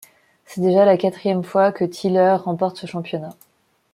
C'est déjà la quatrième fois que Tilleur remporte ce championnat.